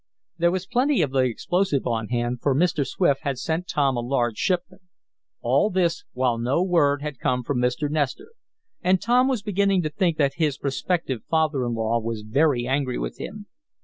There was plenty of the explosive on hand, for Mr. Swift had sent Tom a large shipment. All this while no word had come from Mr. Nestor, and Tom was beginning to think that his prospective father in law was very angry with him.